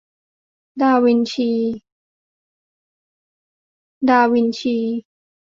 ดาวินชี